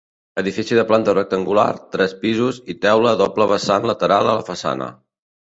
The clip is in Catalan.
Edifici de planta rectangular, tres pisos i teula a doble vessant lateral a la façana.